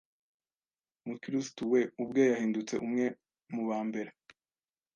mukiristuwe ubwe yahindutse umwe mubambere